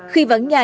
khi vắng nhà